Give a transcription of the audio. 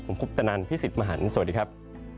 ผมคุปตนันพี่สิทธิ์มหันฯสวัสดีครับ